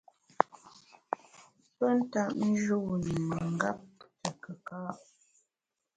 Pe ntap njûn i mengap te kùka’.